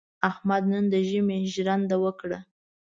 احمد نن د ژمي ژرنده وکړه.